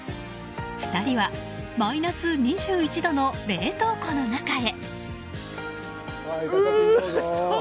２人はマイナス２１度の冷凍庫の中へ。